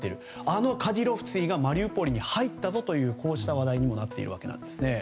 あのカディロフツィがマリウポリに入ったぞとこうした話題になっているわけなんですね。